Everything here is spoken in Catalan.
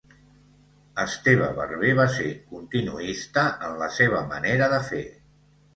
Esteve Barber va ser continuista en la seva manera de fer.